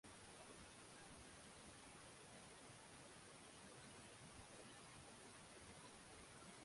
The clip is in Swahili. katika shule Wanajeshi wanadai kwamba kule kuuliwa